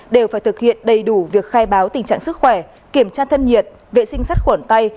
đều phải thực hiện đầy đủ việc khai báo tình trạng sức khỏe kiểm tra thân nhiệt vệ sinh sát khuẩn tay